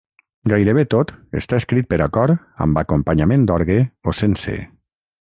Gairebé tot està escrit per a cor amb acompanyament d'orgue o sense.